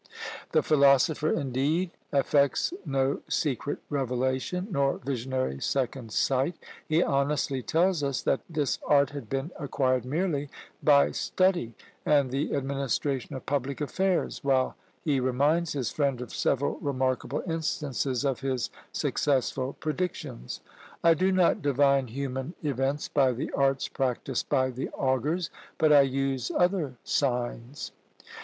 The philosopher, indeed, affects no secret revelation, nor visionary second sight; he honestly tells us that this art had been acquired merely by study and the administration of public affairs, while he reminds his friend of several remarkable instances of his successful predictions. "I do not divine human events by the arts practised by the augurs, but I use other signs."